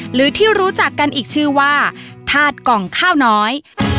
หรือที่รู้จักกันอีกชื่อว่าธาตุกล่องข้าวน้อย